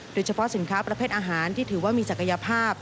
โดยเฉพาะสินค้าประเภทอาหารที่ถือว่ามีศักยภาพ